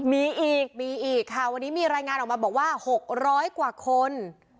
มีอีกมีอีกค่ะวันนี้มีรายงานออกมาบอกว่า๖๐๐กว่าคน